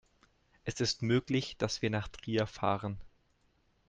Es ist möglich, dass wir nach Trier fahren